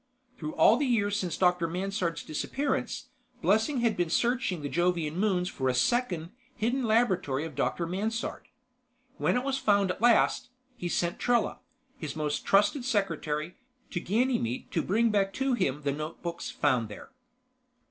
Through all these years since Dr. Mansard's disappearance, Blessing had been searching the Jovian moons for a second, hidden laboratory of Dr. Mansard. When it was found at last, he sent Trella, his most trusted secretary, to Ganymede to bring back to him the notebooks found there.